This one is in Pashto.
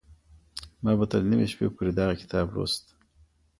ما به تر نيمي شپې پوري دغه کتاب لوست.